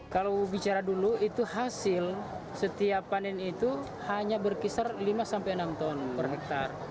kalau bicara dulu itu hasil setiap panen itu hanya berkisar lima enam ton per hektare